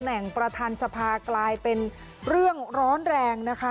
แหล่งประธานสภากลายเป็นเรื่องร้อนแรงนะคะ